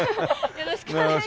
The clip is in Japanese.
よろしくお願いします。